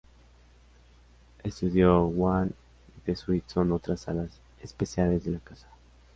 Studio One y The Suite son otras salas especiales de la Casa.